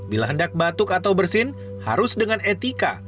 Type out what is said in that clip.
bila hendak batuk atau bersin harus dengan etika